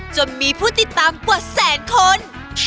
จนมีผู้ติดตามกว่าแสนคน